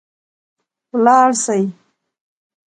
ولاړ سئ